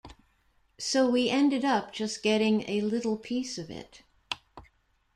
So we ended up just getting a little piece of it.